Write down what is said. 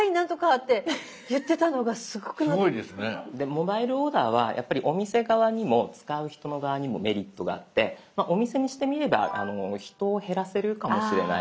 モバイルオーダーはやっぱりお店側にも使う人の側にもメリットがあってお店にしてみれば人を減らせるかもしれない。